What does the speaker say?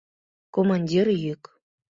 Командир йӱк.